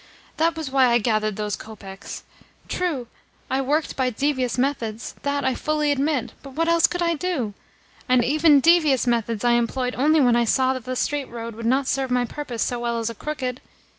That was why I gathered those kopecks. True, I worked by devious methods that I fully admit; but what else could I do? And even devious methods I employed only when I saw that the straight road would not serve my purpose so well as a crooked.